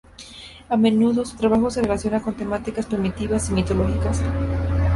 A menudo su trabajo se relaciona con temáticas primitivas y mitológicas.